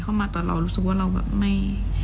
มาแต่เรารู้สึกว่าเราแบบไม่